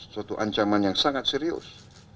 suatu ancaman yang sangat serius